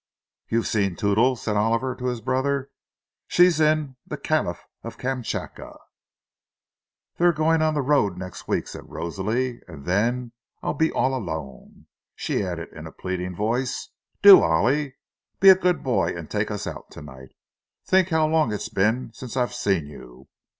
"You've seen Toodles," said Oliver, to his brother "She's in 'The Kaliph of Kamskatka'". "They're going on the road next week," said Rosalie. "And then I'll be all alone." She added, in a pleading voice: "Do, Ollie, be a good boy and take us out to night. Think how long it's been since I've seen you!